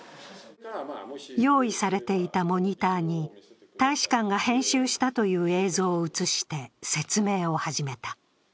用意されていたモニターに大使館が編集したという映像を映して説明を始めた。